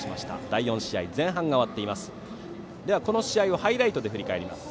第４試合前半が終わっています。